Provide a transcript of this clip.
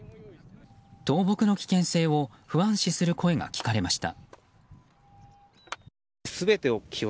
倒木の危険性を不安視する声が聞かれました。